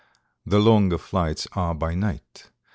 The longer flights are by night.